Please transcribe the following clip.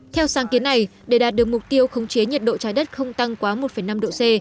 theo sáng kiến này để đạt được mục tiêu khống chế nhiệt độ trái đất không tăng quá một năm độ c